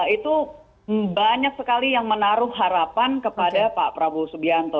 itu banyak sekali yang menaruh harapan kepada pak prabowo subianto